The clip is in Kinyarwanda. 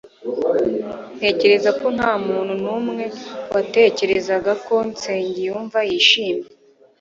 Ntekereza ko ntamuntu numwe watekerezaga ko Nsengiyumva yishimye.